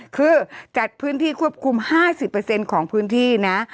คือจัดพื้นที่ควบคุม๕๐ของพื้นที่นะ